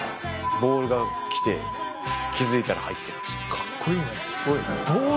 ボールが来て気付いたら入ってる。